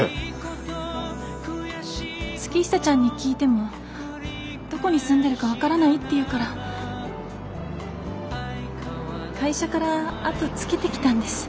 月下ちゃんに聞いても「どこに住んでるか分からない」って言うから会社から後つけてきたんです。